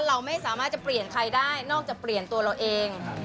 เราไม่สามารถจะเปลี่ยนใครได้นอกจากเปลี่ยนตัวเราเอง